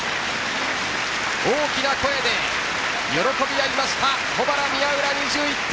大きな声で喜び合いました保原・宮浦、２１点。